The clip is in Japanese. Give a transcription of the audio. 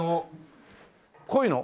濃いの？